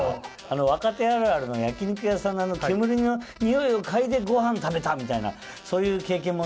若手あるあるの焼肉屋さんの煙の匂いを嗅いでご飯食べたみたいなそういう経験もないしね。